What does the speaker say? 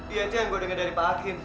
iya itu yang gue dengar dari pak hakim